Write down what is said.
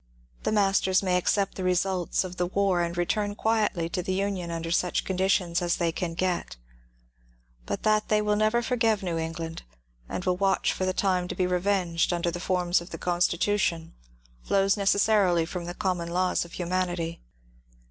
The masters may accept the results of the war and return quietly to the Union under such conditions as they can get, but that they will never forgive New England and will watch for the time to be revenged under the forms of the Constitution flows necessarily from the common laws of humanity.